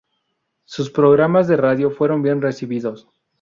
Sus programas de radio fueron bien recibidos.